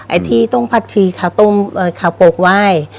ไอ้ที่ต้มผัดชีขาวต้มขาโปกไหว้